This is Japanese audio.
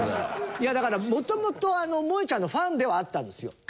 だからもともともえちゃんのファンではあったんですよ。